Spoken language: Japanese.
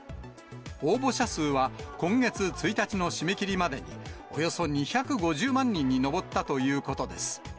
応募者数は、今月１日の締め切りまでに、およそ２５０万人に上ったということです。